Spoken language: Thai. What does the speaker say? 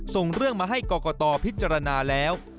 ส่งเรื่องมาให้กรกตพิจารณาแล้ว